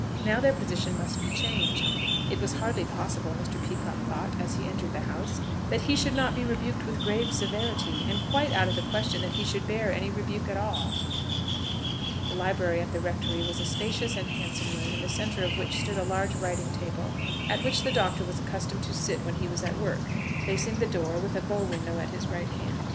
Now their position must be changed. It was hardly possible, Mr. Peacocke thought, as he entered the house, that he should not be rebuked with grave severity, and quite out of the question that he should bear any rebuke at all. The library at the rectory was a spacious and handsome room, in the centre of which stood a large writing table, at which the Doctor was accustomed to sit when he was at work, facing the door, with a bow window at his right hand.